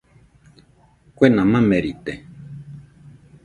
Kuena mamerite.